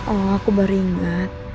oh aku baru ingat